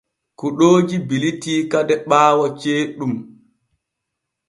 Kuɗooji bilitii kade ɓaawo ceeɗum.